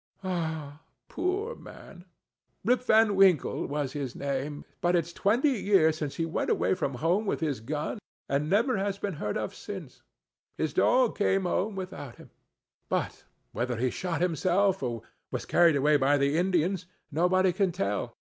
"Ah, poor man, Rip Van Winkle was his name, but it's twenty years since he went away from home with his gun, and never has been heard of since—his dog came home without him; but whether he shot himself, or was carried away by the Indians, nobody can tell.